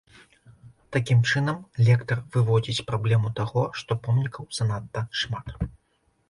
Такім чынам, лектар выводзіць праблему таго, што помнікаў занадта шмат.